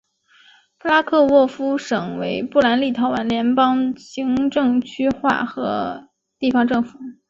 布拉克沃夫省为波兰立陶宛联邦的行政区划和地方政府。